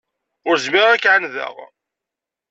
Ur zmireɣ ad k-εandeɣ.